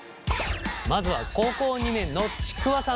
まずは高校２年のちくわさん。